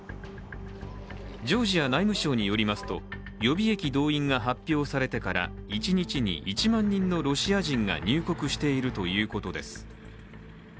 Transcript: ジョージア内務省によりますと予備役動員が発表されてから一日に１万人のロシア人が入国しているということです。